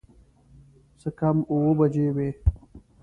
څه کم اووه بجې وې.